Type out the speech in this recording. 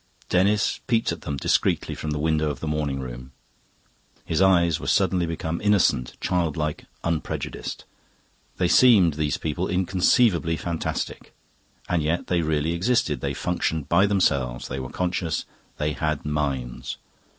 Denis peeped at them discreetly from the window of the morning room. His eyes were suddenly become innocent, childlike, unprejudiced. They seemed, these people, inconceivably fantastic. And yet they really existed, they functioned by themselves, they were conscious, they had minds.